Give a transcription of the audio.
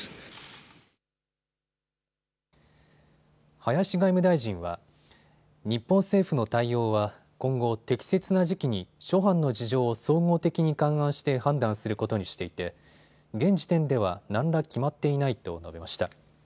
林外務大臣は日本政府の対応は今後、適切な時期に諸般の事情を総合的に勘案して判断することにしていて現時点では何ら決まっていないと述べました。